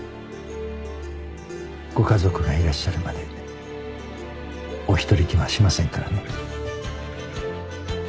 ご家族がいらっしゃるまでお一人にはしませんからね。